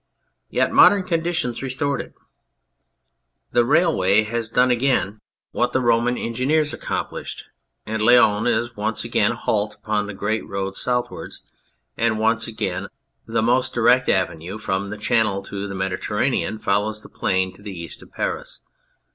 Yet modern conditions restored it. The railway has done again what the Roman 259 82 On Anything engineers accomplished, and Laon is once again a halt upon the great road southwards, and once again the most direct avenue from the Channel to the Mediterranean follows the plain to the east of Paris.